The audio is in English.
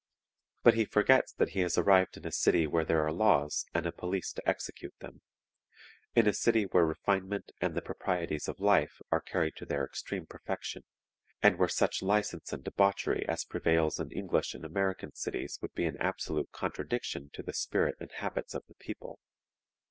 But he forgets that he has arrived in a city where there are laws and a police to execute them in a city where refinement and the proprieties of life are carried to their extreme perfection, and where such license and debauchery as prevails in English and American cities would be an absolute contradiction to the spirit and habits of the people.